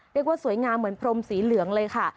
เรียกว่าสวยงามเหมือนพรมสีเหลืองเลยค่ะ